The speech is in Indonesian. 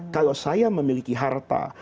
kalau saya memiliki harta